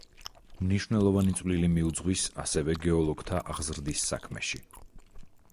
მნიშვნელოვანი წვლილი მიუძღვის ასევე გეოლოგთა აღზრდის საქმეში.